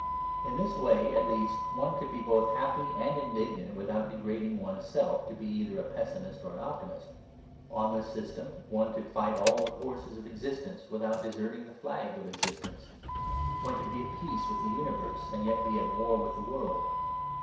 In this way at least one could be both happy and indignant without degrading one's self to be either a pessimist or an optimist. On this system one could fight all the forces of existence without deserting the flag of existence. One could be at peace with the universe and yet be at war with the world.